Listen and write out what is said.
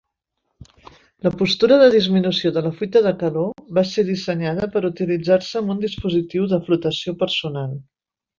La postura de disminució de la fuita de calor va ser dissenyada per utilitzar-se amb un dispositiu de flotació personal.